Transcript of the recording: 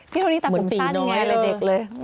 พี่โทนี่คำถามจะตอนนี้แต่ผมสั้นในแรกเลย